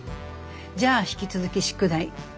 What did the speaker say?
じゃあ引き続き宿題。